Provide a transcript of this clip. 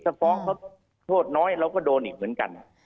ถ้าฟ้องเขาโทษน้อยเราก็โดนอีกเหมือนกัน